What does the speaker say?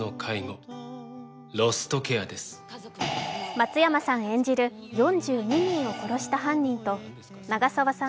松山さん演じる４２人を殺した犯人と長澤さん